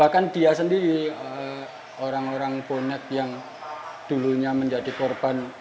dan dia sendiri orang orang bonek yang dulunya menjadi korban